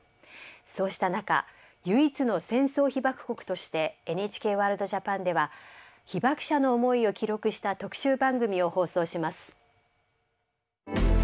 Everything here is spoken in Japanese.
そうした中唯一の戦争被爆国として「ＮＨＫワールドＪＡＰＡＮ」では被爆者の思いを記録した特集番組を放送します。